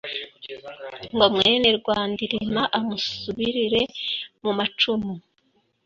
Ngo mwene Rwandilima amusubirire mu macumu,